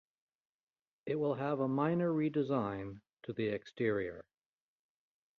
It will have a minor redesign to the exterior.